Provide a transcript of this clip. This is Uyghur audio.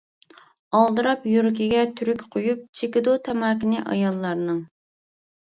ئالدىراپ يۈرىكىگە تۈرۈك قويۇپ، چېكىدۇ تاماكىنى ئاياللارنىڭ.